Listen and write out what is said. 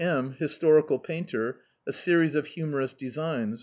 M , historical painter, a series of humorous designs.